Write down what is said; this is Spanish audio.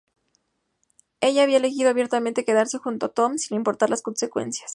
Ella había elegido abiertamente quedarse junto a Tom sin importar las consecuencias.